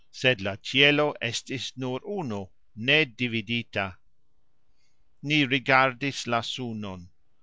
Sed la cxielo estis nur unu, nedividita. Ni rigardis la sunon.